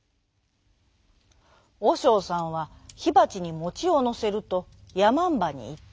おしょうさんはひばちにもちをのせるとやまんばにいった。